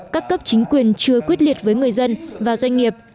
các cấp chính quyền chưa quyết liệt với người dân và doanh nghiệp